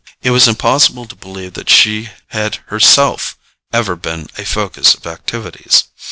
It was impossible to believe that she had herself ever been a focus of activities.